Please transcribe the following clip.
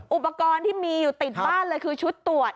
อุปกรณ์ที่มีอยู่ติดบ้านเลยคือชุดตรวจ